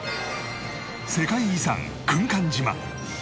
世界遺産軍艦島